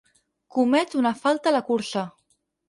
Comet una falta a la cursa.